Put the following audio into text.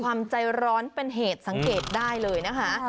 ความใจร้อนเป็นเหตุสังเกตได้เลยนะคะ